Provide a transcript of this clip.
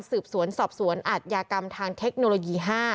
สืบสวนสอบสวนอาทยากรรมทางเทคโนโลยี๕